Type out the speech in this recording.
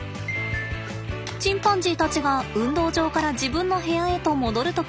チンパンジーたちが運動場から自分の部屋へと戻る時。